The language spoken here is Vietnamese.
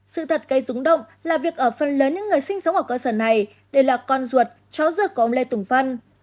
sự thật gây rúng động là việc ở phần lớn những người sinh sống ở cơ sở này đều là con ruột chó ruột của ông lê tùng vân